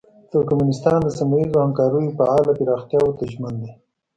ترکمنستان د سیمه ییزو همکاریو فعاله پراختیاوو ته ژمن دی.